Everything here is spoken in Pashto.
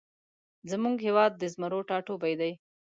زمونږ هیواد د زمرو ټاټوبی دی